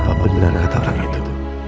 apa benar kata orang itu